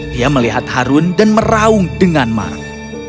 dia melihat harun dan meraung dengan marah